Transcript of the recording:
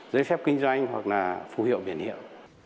giấy phép kinh doanh hoặc là phù hiệu biển hiệu